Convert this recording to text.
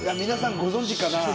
皆さんご存じかな？